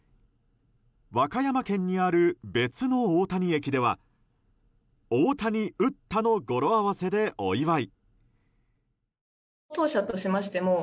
和歌山県にある別の大谷駅では「大谷、打った」の語呂合わせでお祝い。